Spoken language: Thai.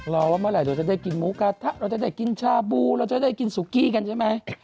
รอว่าเมื่อไหร่เราจะได้กินหมูกระทะเราจะได้กินชาบูเราจะได้กินสุกี้กันใช่ไหม